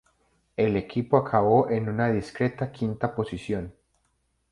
El equipo acabó en una discreta quinta posición.